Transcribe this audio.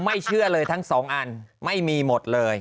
เชื่อเลยทั้งสองอันไม่มีหมดเลย